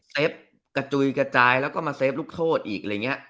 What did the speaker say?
เซฟกระจุยกระจายแล้วก็เซฟลูกโทษอีก